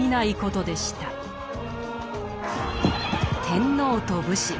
天皇と武士。